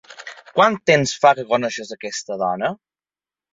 Quan temps fa que coneixes aquesta dona?